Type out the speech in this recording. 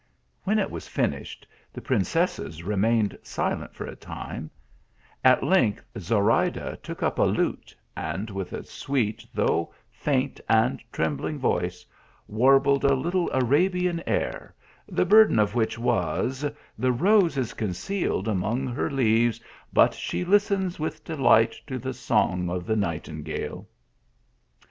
When it was finished, the princesses remained silent for a time ; at length Zorayda took up a lute, and with a sweet, though faint and trembling voice warbled a little Arabian air, the burden of which was, "The rose is concealed among her leaves, but she listens with delight to the song of the night ingale."